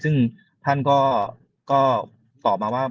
ซึ่งท่านก็ตอบมาว่า